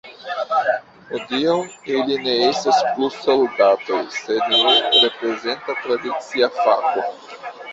Hodiaŭ ili ne estas plu soldatoj, sed nur reprezenta tradicia fako.